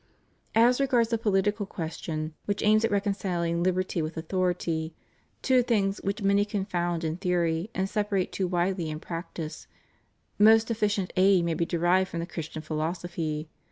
As regards the political question, which aims at recon ciling liberty with authority — two things which many confound in theory, and separate too widely in practice —• most efficient aid may be derived from the Christian philosophy.